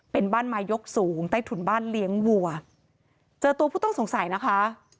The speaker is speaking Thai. เป็นบ้านไม้ยกสูงใต้ถุนบ้านเลี้ยงวัวเจอตัวผู้ต้องสงสัยนะคะ